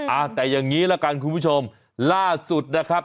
อ่ะแต่อย่างนี้ละกันคุณผู้ชมล่าสุดนะครับ